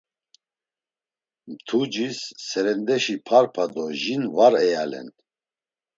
Mtucis serendeşi parpa do jin var eyalen.